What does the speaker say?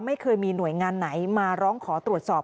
ไม่เคยมีหน่วยงานไหนมาร้องขอตรวจสอบ